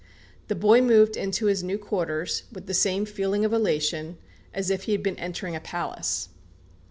The boy moved into his new quarters with the same feeling of elation as if he had been entering a palace.